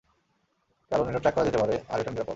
কারণ এটা ট্র্যাক করা যেতে পারে আর এটা নিরাপদ।